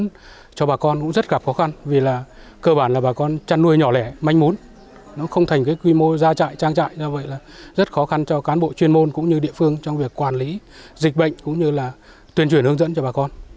hướng dẫn cho bà con cũng rất gặp khó khăn vì là cơ bản là bà con chăn nuôi nhỏ lẻ manh mốn nó không thành cái quy mô ra trại trang trại do vậy là rất khó khăn cho cán bộ chuyên môn cũng như địa phương trong việc quản lý dịch bệnh cũng như là tuyên truyền hướng dẫn cho bà con